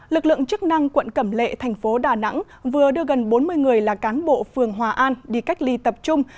lực lượng chức năng quận cẩm lệ thành phố đà nẵng vừa đưa gần bốn mươi người là cán bộ phường hòa an đi cách ly tập trung